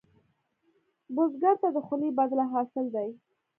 بزګر ته د خولې بدله حاصل دی